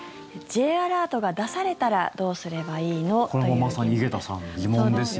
Ｊアラートが出されたらどうすればいいの？という疑問です。